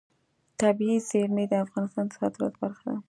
طبیعي زیرمې د افغانستان د صادراتو برخه ده.